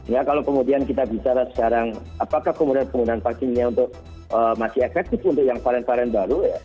ya kalau kemudian kita bicara sekarang apakah penggunaan penggunaan vaksin ini untuk masih efektif untuk yang varen varen baru ya